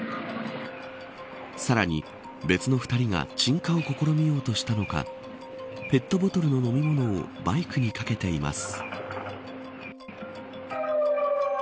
さらに別の２人が鎮火を試みようとしたのかペットボトルの飲み物をバイクにかけています。